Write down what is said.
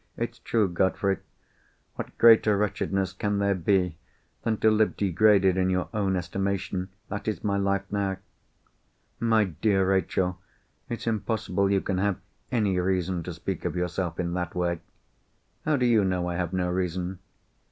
It's true, Godfrey. What greater wretchedness can there be than to live degraded in your own estimation? That is my life now." "My dear Rachel! it's impossible you can have any reason to speak of yourself in that way!" "How do you know I have no reason?"